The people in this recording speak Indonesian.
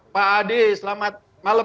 pak adi selamat malam